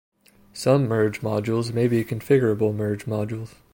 Some merge modules may be configurable merge modules.